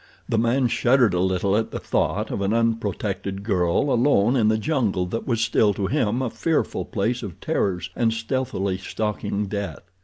The man shuddered a little at the thought of an unprotected girl alone in the jungle that was still, to him, a fearful place of terrors and stealthily stalking death.